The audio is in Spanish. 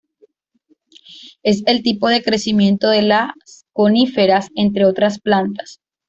Es el tipo de crecimiento de las coníferas, entre otras plantas.